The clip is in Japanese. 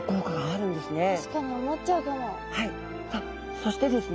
そしてですね